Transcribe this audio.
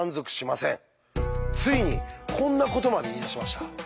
ついにこんなことまで言いだしました。